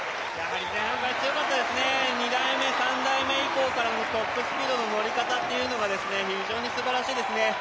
２台目、３台目以降からのトップスピードの乗り方が非常にすばらしかったですね。